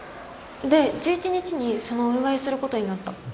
で１１日にそのお祝いすることになった。